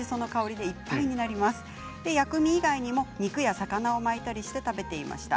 薬味以外にもお肉や魚を巻いたりして食べていました。